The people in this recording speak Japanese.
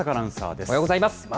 おはようございます。